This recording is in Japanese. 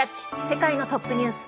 世界のトップニュース」。